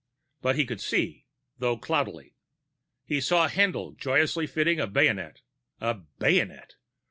But he could see, though cloudily. He saw Haendl joyously fitting a bayonet _a bayonet!